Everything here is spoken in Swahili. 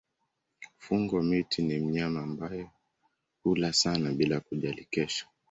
Fungo-miti ni mnyama ambaye hula sana bila kujali kesho.